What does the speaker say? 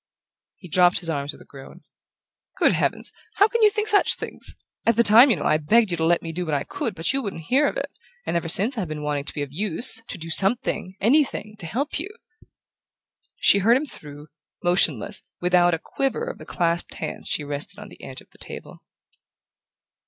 He dropped his arms with a groan. "Good heavens! How can you think such things? At the time, you know, I begged you to let me do what I could, but you wouldn't hear of it ... and ever since I've been wanting to be of use to do something, anything, to help you..." She heard him through, motionless, without a quiver of the clasped hands she rested on the edge of the table.